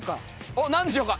おっ何でしょうか？